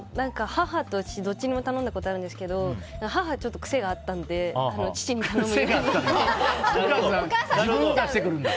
母と父、どっちにも頼んだことあるんですけど母はちょっと癖があったのでお母さん自分を出してくるんだ。